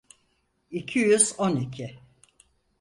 İki yüz on iki.